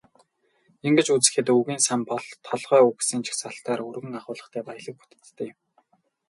Ингэж үзэхэд, үгийн сан бол толгой үгийн жагсаалтаас өргөн агуулгатай, баялаг бүтэцтэй юм.